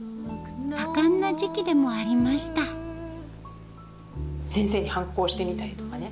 多感な時期でもありました先生に反抗してみたりとかね。